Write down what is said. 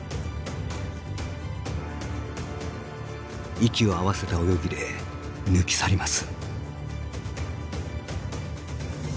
息を合わせた泳ぎで抜き去ります。